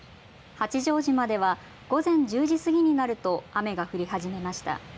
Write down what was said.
八丈島では午前１０時過ぎになると雨が降り始めました。